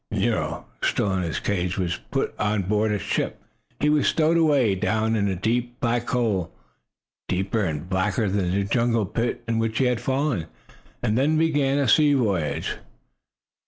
Nero, still in his cage, was put on board a ship. He was stowed away down in a deep, black hole, deeper and blacker than the jungle pit into which he had fallen, and then began a sea voyage.